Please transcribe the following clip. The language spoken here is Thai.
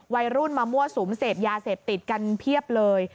วัยรุ่นมามั่วสุมเสพยาเสพติดกันเพียบเลย